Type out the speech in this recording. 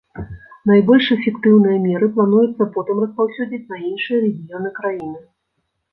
Найбольш эфектыўныя меры плануецца потым распаўсюдзіць на іншыя рэгіёны краіны.